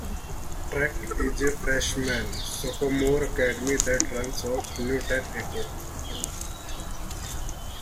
Trek is a Freshman-Sophomore academy that runs off New Tech: Echo.